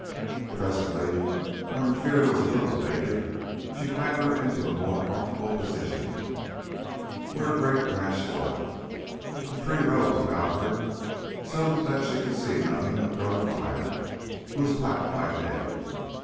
Presently when her fear was a little abated she clambered into a more comfortable position, where a great branch forked. The trees rose about her, so that she could see nothing of Brother Fire, who is black by day.